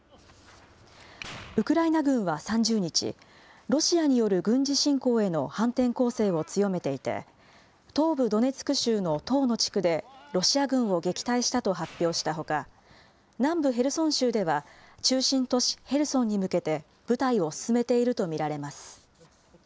ウクライナ軍は３０日、ロシアによる軍事侵攻への反転攻勢を強めていて、東部ドネツク州の１０の地区で、ロシア軍を撃退したと発表したほか、南部ヘルソン州では、中心都市ヘルソンに向けて部隊を進めていると見られます。